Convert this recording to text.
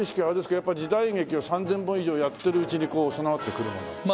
やっぱり時代劇を３０００本以上やってるうちに備わってくるものなんですか？